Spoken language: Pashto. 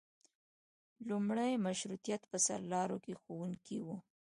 لومړي مشروطیت په سرلارو کې ښوونکي وو.